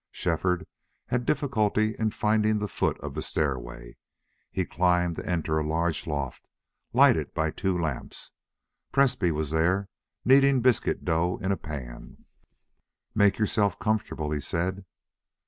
Shefford had difficulty in finding the foot of the stairway. He climbed to enter a large loft, lighted by two lamps. Presbrey was there, kneading biscuit dough in a pan. "Make yourself comfortable," he said.